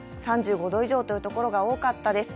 ３５度以上という所が多かったです。